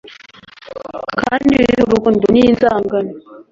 Kandi wibuke urukundo n'inzangano